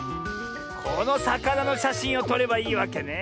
このさかなのしゃしんをとればいいわけね。